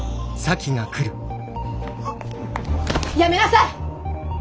やめなさい！